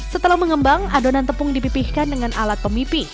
setelah mengembang adonan tepung dipipihkan dengan alat pemipi